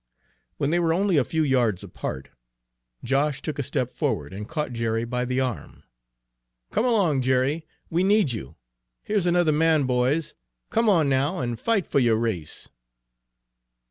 When they were only a few yards apart, Josh took a step forward and caught Jerry by the arm. "Come along, Jerry, we need you! Here's another man, boys. Come on now, and fight fer yo' race!"